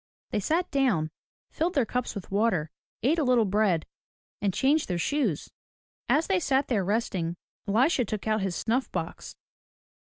They sat down, filled their cups with water, ate a little bread, and changed their shoes. As they sat there resting, Elisha took out his snuff box.